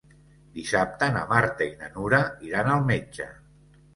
Dissabte na Marta i na Nura iran al metge.